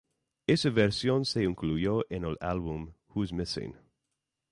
Esa versión se incluyó en el álbum "Who's Missing".